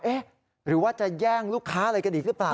หรือว่าจะแย่งลูกค้าอะไรกันอีกหรือเปล่า